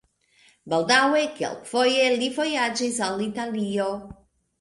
Baldaŭe kelkfoje li vojaĝis al Italio.